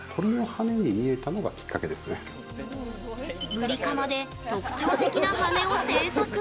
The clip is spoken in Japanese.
ブリカマで特徴的な羽を制作。